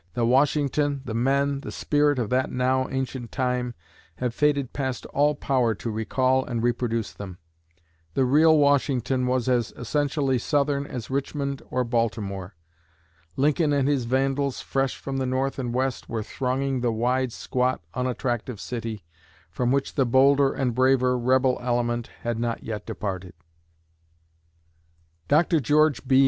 The Washington, the men, the spirit of that now ancient time, have faded past all power to recall and reproduce them. The real Washington was as essentially Southern as Richmond or Baltimore. 'Lincoln and his vandals,' fresh from the North and West, were thronging the wide, squat, unattractive city, from which the bolder and braver rebel element had not yet departed." Dr. George B.